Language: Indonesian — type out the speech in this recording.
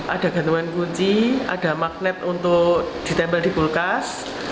ada gantungan kunci ada magnet untuk ditempel di kulkas